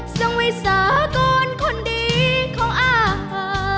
สร้างวิสากลคนดีของอ้าว